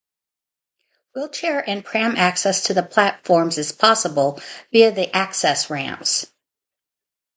Wheelchair and pram access to the platforms is possible, via the access ramps.